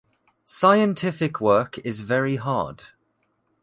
Scientific work is very hard.